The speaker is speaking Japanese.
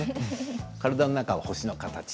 体の中は星の形。